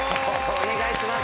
お願いします。